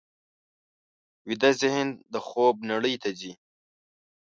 ویده ذهن د خوب نړۍ ته ځي